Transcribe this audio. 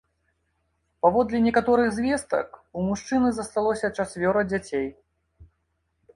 Паводле некаторых звестак, у мужчыны засталося чацвёра дзяцей.